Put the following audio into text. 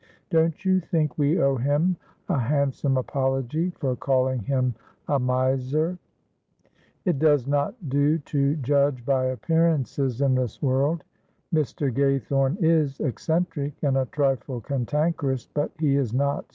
"Don't you think we owe him a handsome apology for calling him a miser? it does not do to judge by appearances in this world; Mr. Gaythorne is eccentric, and a trifle cantankerous, but he is not stingy."